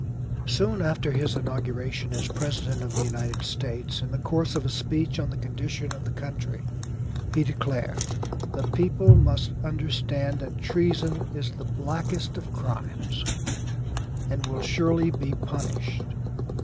Soon after his inauguration as President of the United States, in the course of a speech on the condition of the country he declared, "the people must understand that treason is the blackest of crimes, and will surely be punished."